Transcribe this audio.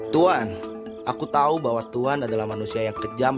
tuan aku tahu bahwa tuhan adalah manusia yang kejam